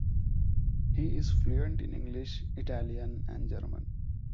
He is fluent in English, Italian and German.